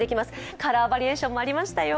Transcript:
カラーバリエーションもありましたよ。